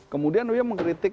kemudian dia mengkritik